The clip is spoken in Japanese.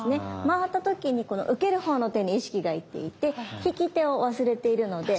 回った時にこの受ける方の手に意識がいっていて引き手を忘れているので。